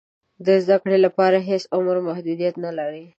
د زده کړې لپاره هېڅ عمر محدودیت نه لري.